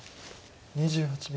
２８秒。